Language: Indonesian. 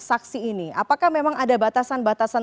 saksi ini apakah memang ada batasan batasan